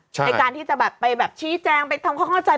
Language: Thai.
ในการที่จะไปชี้แจงไปทำเข้าข้อใจ